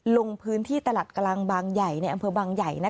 ลงพื้นที่ตลาดกลางบางใหญ่ในอำเภอบางใหญ่